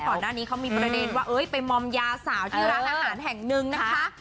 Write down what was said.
ก่อนหน้านี้เขามีประเด็นว่าไปมอมยาสาวที่ร้านอาหารแห่งหนึ่งนะคะ